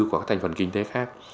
của các thành phần kinh tế khác